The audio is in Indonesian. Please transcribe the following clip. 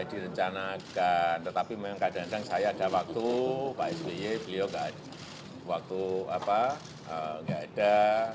ya direncanakan tetapi memang keadaan sekarang saya ada waktu pak sby beliau tidak ada